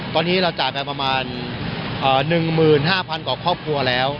ตอนนี้เราจ่ายไปประมาณ๑๕๐๐๐ก่อก่อครับพ่อแล้ว